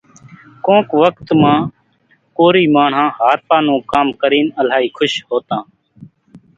ڪونڪ وکت مان ڪورِي ماڻۿان هارپا نون ڪام ڪرينَ الائِي کُش هوتان۔